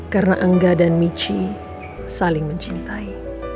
karena angga dan michi saling mencintai